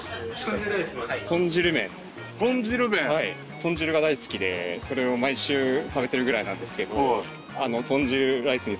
豚汁が大好きでそれを毎週食べてるぐらいなんですけど。